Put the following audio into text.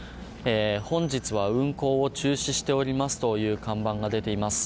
本日は運航を中止しておりますという看板が出ています。